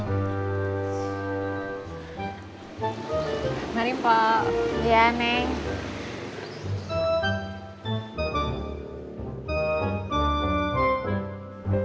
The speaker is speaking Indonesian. jangan lupa date jadi